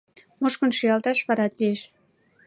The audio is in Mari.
Мушкын шӱалташ варат лиеш.